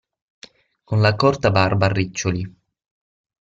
Con la corta barba a riccioli.